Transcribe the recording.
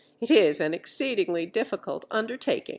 It is an exceedingly difficult undertaking.